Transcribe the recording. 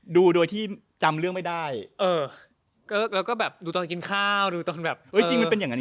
ดูกี่รอบก็ได้